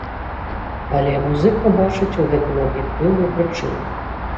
Але музыка бачыць у гэтым аб'ектыўную прычыну.